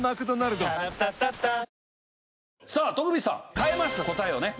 変えました答えをね。